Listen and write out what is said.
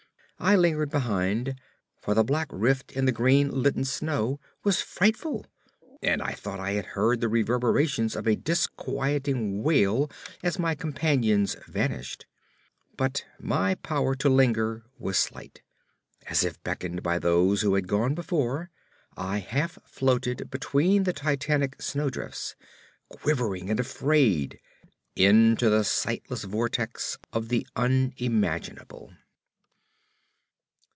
I lingered behind, for the black rift in the green litten snow was frightful, and I thought I had heard the reverberations of a disquieting wail as my companions vanished; but my power to linger was slight. As if beckoned by those who had gone before, I half floated between the titanic snowdrifts, quivering and afraid, into the sightless vortex of the unimaginable.